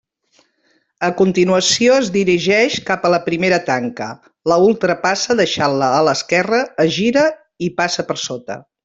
A continuació es dirigeix cap a la primera tanca, la ultrapassa deixant-la a l'esquerra, es gira i passa per sota.